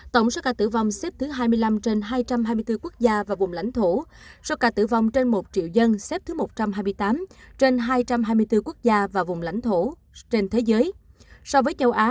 tổng số ca tử vong xếp thứ hai mươi năm trên hai trăm hai mươi bốn quốc gia và vùng lãnh thổ số ca tử vong trên một triệu dân xếp thứ một trăm hai mươi tám trên hai trăm hai mươi bốn quốc gia và vùng lãnh thổ trên thế giới